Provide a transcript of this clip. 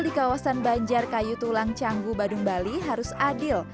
di kawasan banjar kayu tulang canggu badung bali harus adil